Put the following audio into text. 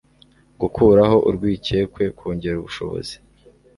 gukuraho urwikekwe - kongera ubushobozi